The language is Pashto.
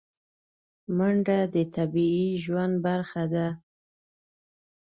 منډه د طبیعي ژوند برخه ده